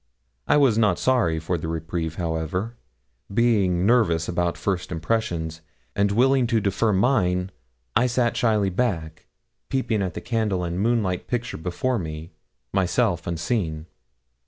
I was not sorry for the reprieve, however: being nervous about first impressions, and willing to defer mine, I sat shyly back, peeping at the candle and moonlight picture before me, myself unseen.